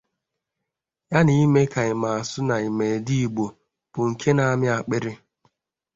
ya na ime ka ịma asụ na ịma ede Igbo bụrụ nke na-amị akpịrị.